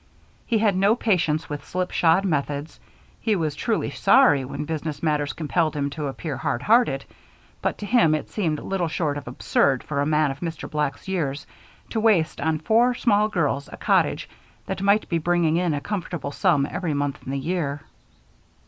He had no patience with slipshod methods. He was truly sorry when business matters compelled him to appear hard hearted; but to him it seemed little short of absurd for a man of Mr. Black's years to waste on four small girls a cottage that might be bringing in a comfortable sum every month in the year.